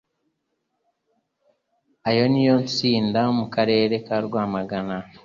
Ayo ni iya Nsinda mu karere ka Rwamagana